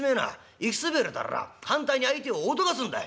行きそびれたら反対に相手を脅かすんだい」。